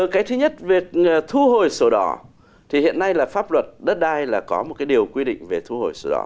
cái thứ nhất việc thu hồi sổ đỏ thì hiện nay là pháp luật đất đai là có một cái điều quy định về thu hồi sổ đỏ